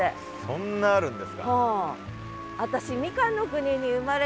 そんなあるんですか。